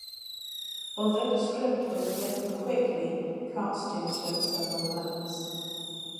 Although the script was written quickly, casting took several months.